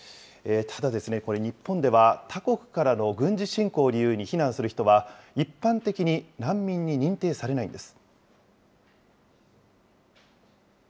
ただですね、これ、日本では他国からの軍事侵攻を理由に避難する人は、一般的に難民に認定されないんです。